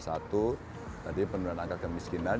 satu penurunan angka kemiskinan